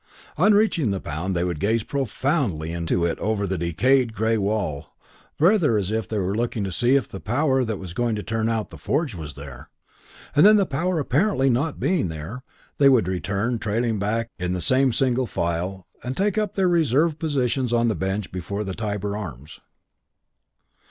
On reaching the pound they would gaze profoundly into it over the decayed, grey wall, rather as if they were looking to see if the power that was going to turn out the forge was there, and then, the power apparently not being there, they would return, trailing back in the same single file, and take up their reserved positions on the bench before the Tybar Arms.